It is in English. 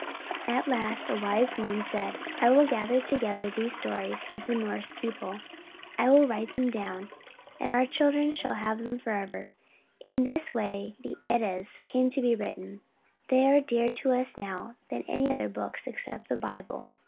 "At last a wise man said, 'I will gather together these stories of the Norse people. I will write them down, and our children shall have them for ever.' In this way the 'Eddas' came to be written. They are dearer to us now than any other books except the Bible.